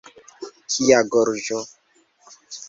Kia gorĝo!